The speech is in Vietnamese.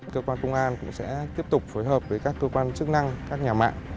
cơ quan công an cũng sẽ tiếp tục phối hợp với các cơ quan chức năng các nhà mạng